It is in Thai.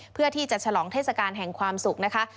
เพื่อที่จะฉลองเทศกาลแห่งความสุขนะคะ